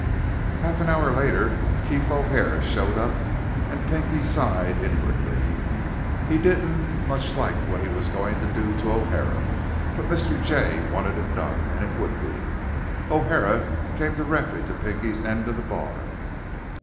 Half an hour later, Keef O'Hara showed up, and Pinky sighed inwardly. He didn't much like what he was going to do to O'Hara; but Mr. Jay wanted it done, and it would be. O'Hara came directly to Pinky's end of the bar.